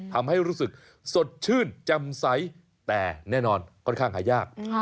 ทำให้รู้สึกสดชื่นแจ่มใสแต่แน่นอนค่อนข้างหายาก